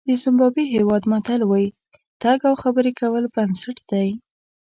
د زیمبابوې هېواد متل وایي تګ او خبرې کول بنسټ دی.